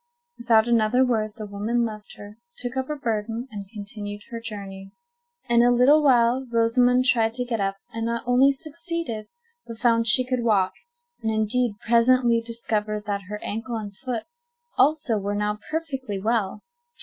Without another word the woman left her, took up her burden, and continued her journey. In a little while Rosamond tried to get up, and not only succeeded, but found she could walk, and, indeed, presently discovered that her ankle and foot also were now perfectly well.